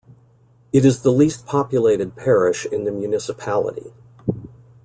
It is the least populated parish in the municipality.